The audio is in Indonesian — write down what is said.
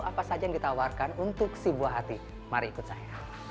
apa saja yang ditawarkan untuk si buah hati mari ikut saya